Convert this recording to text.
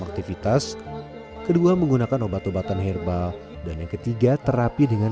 aktivitas kedua menggunakan obat obatan herbal dan yang ketiga terapi dengan